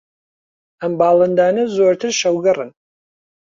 ئەم باڵندانە زۆرتر شەوگەڕن